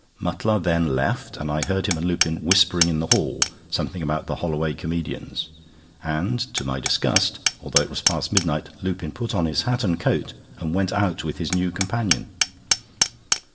Mutlar then left, and I heard him and Lupin whispering in the hall something about the "Holloway Comedians," and to my disgust, although it was past midnight, Lupin put on his hat and coat, and went out with his new companion.